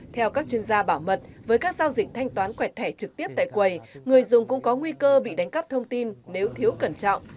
theo các chuyên gia bảo mật với các giao dịch thanh toán quẹt thẻ trực tiếp tại quầy người dùng cũng có nguy cơ bị đánh cắp thông tin nếu thiếu cẩn trọng